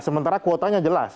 sementara kuotanya jelas